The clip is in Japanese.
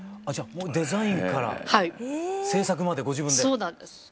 デザインから制作までご自分で。